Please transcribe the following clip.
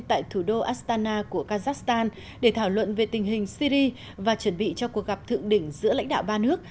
tại thủ đô astana của kazakhstan để thảo luận về tình hình syri và chuẩn bị cho cuộc gặp thượng đỉnh giữa lãnh đạo ba nước